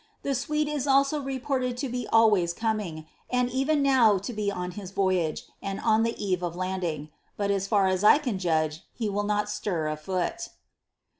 The Swede is reported to be always coming, and even now to be on his ▼oyage, and on the eve of landing ; but as fiur as I can judge he will not stir a foot.